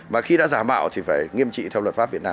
mà khi đã giả mạo thì phải nghiêm trị theo luật pháp việt nam